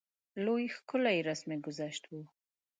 لوی ښکلی رسم ګذشت وو.